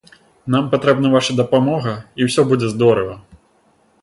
Нам патрэбна ваша дапамога, і ўсё будзе здорава.